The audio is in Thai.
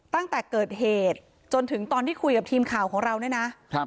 ตั้งแต่เกิดเหตุจนถึงตอนที่คุยกับทีมข่าวของเราเนี่ยนะ